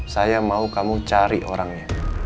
saya mau kamu cari orangnya